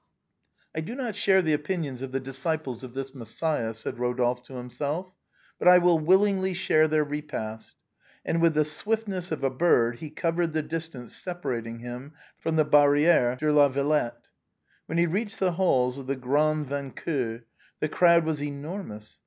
" I do not share the opinions of the disciples of this Messiah," said Rodolphe to himself ;" but I will willingly share their repast." And with the swiftness of a bird he THE CAPE OF STORMS. 121 covered the distance separting him from the Barrière de la Villette. When he reached the halls of the Grand Vainqueur, the crowd was enormous.